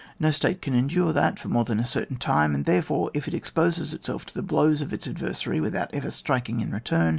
No state can endure that for more than a certain time ; and therefore, if it exposes itself to the blows of its ad versary without ever striking in return.